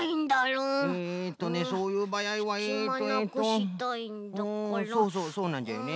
うんそうそうそうなんじゃよね。